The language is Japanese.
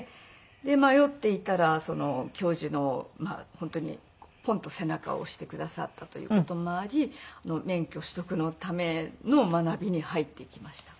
で迷っていたら教授の本当にポンッと背中を押してくださったという事もあり免許取得のための学びに入っていきました。